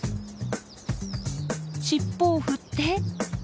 尻尾を振って。